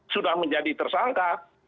sudah menjadi tersangka